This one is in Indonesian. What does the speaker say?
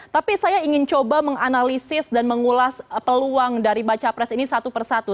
tapi saya ingin coba menganalisis dan mengulas peluang dari baca pres ini satu persatu